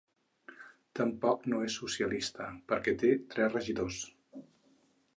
Tampoc no és socialista, perquè té tres regidors.